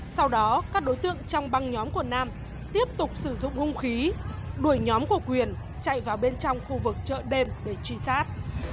sau đó các đối tượng trong băng nhóm của nam tiếp tục sử dụng hung khí đuổi nhóm của quyền chạy vào bên trong khu vực chợ đêm để truy sát